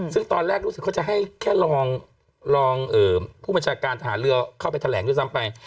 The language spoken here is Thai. ซึ่งตอนแรกรู้สึกเขาจะให้แค่รองผู้บัญชาการฐานเรือเข้าไปแถลงด้วยซ้ำไป